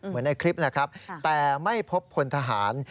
เหมือนในคลิปนะครับแต่ไม่พบพลธหาร